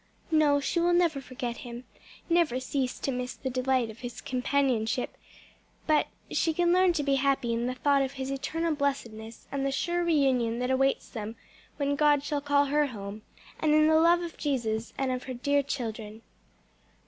"No, she will never forget him, never cease to miss the delight of his companionship; but she can learn to be happy in the thought of his eternal blessedness and the sure reunion that awaits them when God shall call her home; and in the love of Jesus and of her dear children."